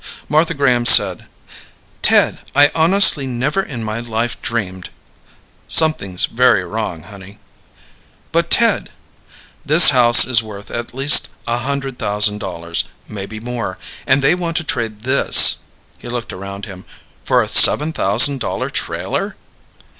Martha Graham said, "Ted, I honestly never in my life dreamed " "Something's very wrong, honey." "But, Ted " "This house is worth at least a hundred thousand dollars. Maybe more. And they want to trade this " he looked around him "for a seven thousand dollar trailer?"